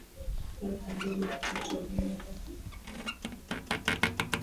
elfu mbili na tatu Lengo la azimio hilo ni kuhakikisha jamii zinaheshimika pamoja na